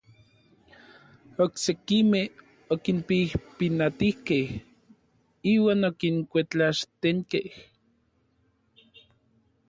Oksekimej okinpijpinatijkej iuan okinkuetlaxtenkej.